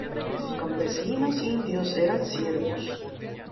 Los campesinos indios eran siervos.